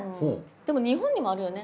でも日本にもあるよね？